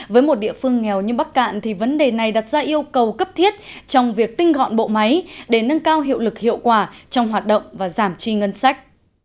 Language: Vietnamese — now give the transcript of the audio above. với một địa phương nghèo như bắc cạn thì vấn đề này đặt ra yêu cầu cấp thiết trong việc tinh gọn bộ máy để nâng cao hiệu lực hiệu quả trong hoạt động và giảm chi ngân sách